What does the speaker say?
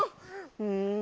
うん」。